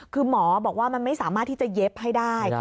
คือหมอบอกว่ามันไม่สามารถที่จะเย็บให้ได้